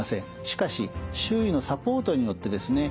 しかし周囲のサポートによってですね